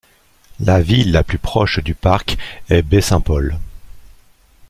La ville la plus proche du parc est Baie-Saint-Paul.